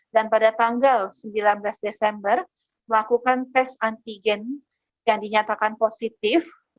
dan pada tanggal sembilan belas desember melakukan tes antigen yang dinyatakan positif